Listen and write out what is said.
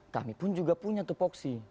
kami pun juga punya topoksi